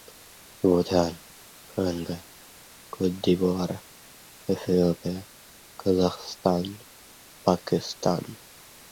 Бутан, Конго, Кот-д'Ивуар, Эфиопия, Казахстан, Пакистан.